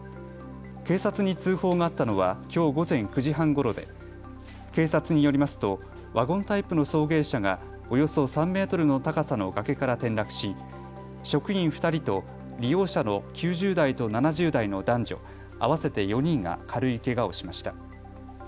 警察に通報があったのはきょう午前９時半ごろで警察によりますとワゴンタイプの送迎車がおよそ３メートルの高さの崖から転落し職員２人と利用者の９０代と７０代の男女合わせて４人が軽いけがをしました。